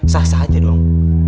sah sah aja dong